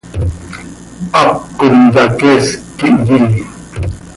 Hap cop hyaqueesc quih iyii.